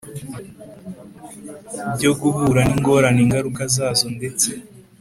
Byo guhura n ingorane ingaruka zazo ndetse